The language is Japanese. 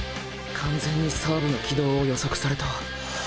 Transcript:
完全にサーブの軌道を予測された。